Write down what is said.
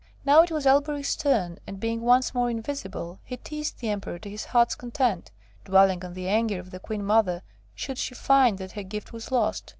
Now it was Elberich's turn, and being once more invisible, he teased the Emperor to his heart's content, dwelling on the anger of the Queen Mother should she find that her gift was lost.